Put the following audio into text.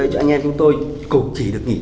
chúng tôi cũng chỉ được nghỉ